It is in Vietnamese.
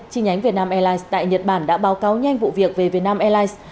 chi nhánh vietnam airlines tại nhật bản đã báo cáo nhanh vụ việc về vietnam airlines